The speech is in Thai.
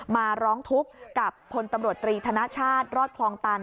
มาร้องทุกข์กับพลตำรวจตรีธนชาติรอดคลองตัน